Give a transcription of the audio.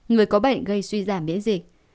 người có bệnh gây suy giảm biễn dịch